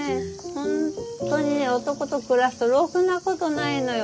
本当にね男と暮らすとろくなことないのよ。